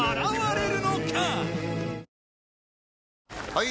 ・はい！